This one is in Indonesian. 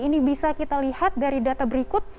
ini bisa kita lihat dari data berikut